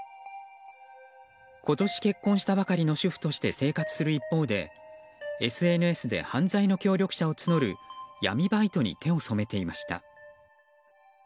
今年結婚したばかりの主婦として生活する一方でＳＮＳで犯罪の協力者を募る闇バイトに手を染めていました。